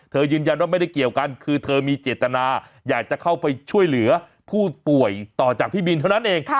ยืนยันว่าไม่ได้เกี่ยวกันคือเธอมีเจตนาอยากจะเข้าไปช่วยเหลือผู้ป่วยต่อจากพี่บินเท่านั้นเอง